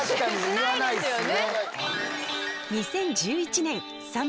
しないですよね！